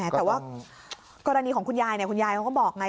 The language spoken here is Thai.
แต่ว่ากรณีของคุณยายคุณยายเขาก็บอกไง